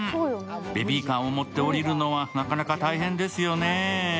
ベビーカーを持って降りるのはなかなか大変ですよね。